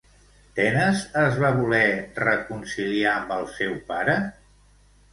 Tenes es va voler reconciliar amb el seu pare?